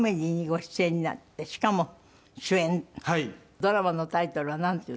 ドラマのタイトルはなんていう？